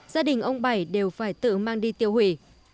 gia đình ông bảy đều phải tự mang đi tiêu hủy